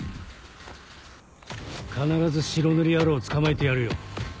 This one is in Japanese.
必ず白塗り野郎を捕まえてやるよ。